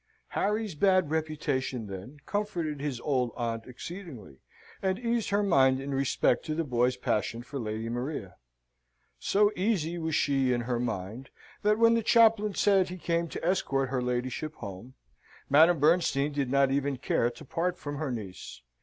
Harry's bad reputation, then, comforted his old aunt exceedingly, and eased her mind in respect to the boy's passion for Lady Maria. So easy was she in her mind, that when the chaplain said he came to escort her ladyship home, Madame Bernstein did not even care to part from her niece.